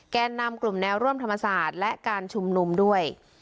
แก่นำกลุ่มแนวร่วมธรรมศาสตร์และการชุมนุมด้วย